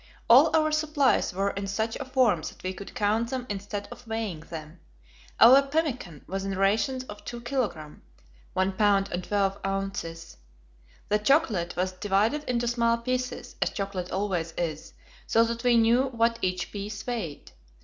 All our supplies were in such a form that we could count them instead of weighing them. Our pemmican was in rations of 2 kilogram (1 pound 12 ounces). The chocolate was divided into small pieces, as chocolate always is, so that we knew what each piece weighed.